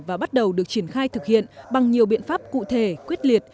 và bắt đầu được triển khai thực hiện bằng nhiều biện pháp cụ thể quyết liệt